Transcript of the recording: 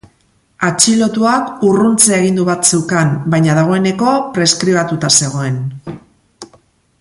Atxilotuak urruntze agindu bat zeukan, baina dagoeneko preskribatuta zegoen.